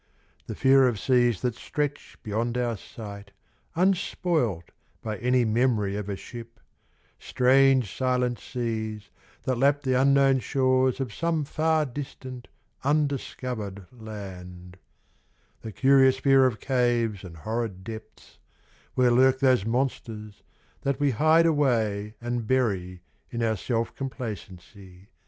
— The fear of seas that stretch beyond our sight Unspoilt by any memory of a ship Strange silent seas that lap the unknown shores Of some far distant, undiscovered land ;— The curious fear of caves and horrid depths Where lurk those monsters that we hide away And bury in our self complacency.